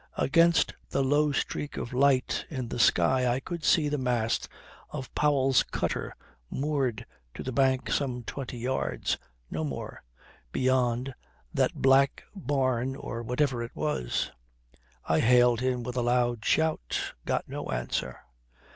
Against the low streak of light in the sky I could see the mast of Powell's cutter moored to the bank some twenty yards, no more, beyond that black barn or whatever it was. I hailed him with a loud shout. Got no answer.